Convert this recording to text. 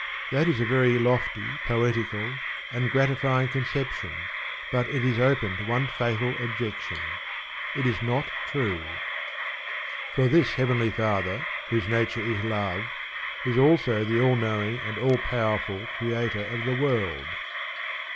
That is a very lofty, poetical, and gratifying conception, but it is open to one fatal objection it is not true. For this Heavenly Father, whose nature is Love, is also the All knowing and All powerful Creator of the world.